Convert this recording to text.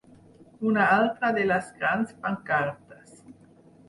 Una altra de les grans pancartes.